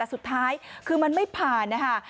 สุดท้ายคือมันไม่ผ่านนะคะ